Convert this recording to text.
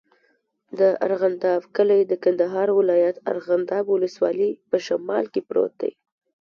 د ارغنداب کلی د کندهار ولایت، ارغنداب ولسوالي په شمال کې پروت دی.